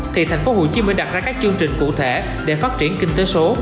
thì tp hcm đặt ra các chương trình cụ thể để phát triển kinh tế số